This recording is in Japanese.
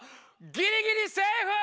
ギリギリセーフ！